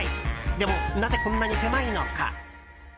でも、なぜこんなに狭いのか。